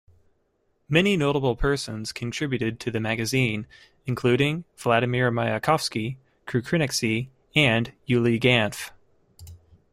Many notable persons contributed to the magazine, including Vladimir Mayakovsky, Kukriniksy, and Yuliy Ganf.